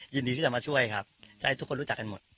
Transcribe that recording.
ยินดีที่จะมาช่วยครับจะให้ทุกคนรู้จักกันหมด